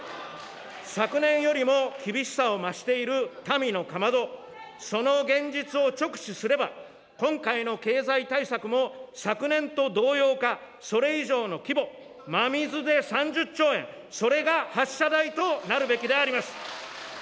昨年よりも厳しさを増している民のかまど、その現実を直視すれば、今回の経済対策も昨年と同様か、それ以上の規模、真水で３０兆円、それが発射台となるべきであります。